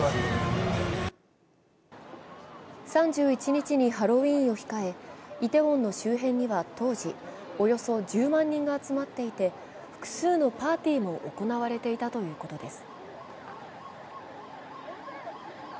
３１日にハロウィーンを控えイテウォンの周辺には当時、およそ１０万人が集まっていて複数のパーティーも行われていたということです。